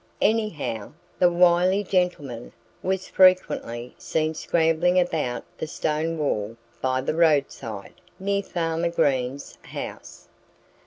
Anyhow, the wily gentleman was frequently seen scrambling about the stone wall by the roadside, near Farmer Green's house.